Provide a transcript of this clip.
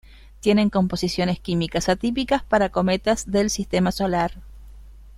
Tienen composiciones químicas atípicas para cometas del sistema solar.